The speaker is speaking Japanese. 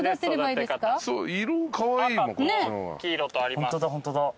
赤と黄色とあります。